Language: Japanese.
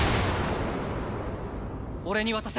俺に渡せ！